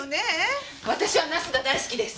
私はナスが大好きです。